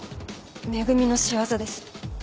「め組」の仕業です。